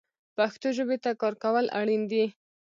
پښتو ژبې ته کار کول اړین دي